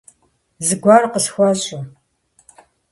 - Зыгуэр къысхуэщӏэ.